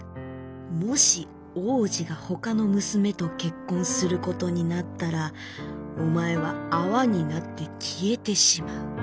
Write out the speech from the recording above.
もし王子がほかの娘と結婚することになったらお前は泡になって消えてしまう。